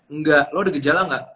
enggak lo ada gejala nggak